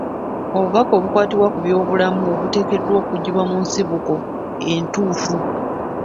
Obubaka obukwata ku byobulamu buteekeddwa kuggyibwa mu nsibuko entuufu.